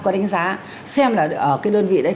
có đánh giá xem là cái đơn vị đấy